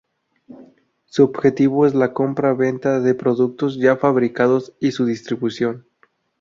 Su objetivo es la compra-venta de productos ya fabricados y su distribución.